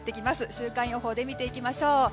週間予報で見ていきましょう。